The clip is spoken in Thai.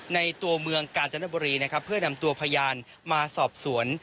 ในตัวเมืองกาญจนบุรีนะครับเพื่อนำตัวพยานมาสอบสวน